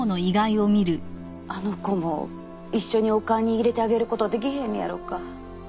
あの子も一緒にお棺に入れてあげることはできへんのやろうか？